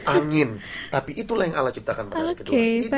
angin tapi itulah yang allah ciptakan pada kedua